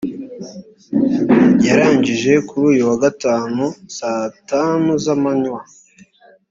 yarangije kuri uyu wa Gatanu saa tanu z’amanywa